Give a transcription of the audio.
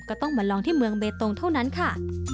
ก็ต้องมาลองที่เมืองเบตงเท่านั้นค่ะ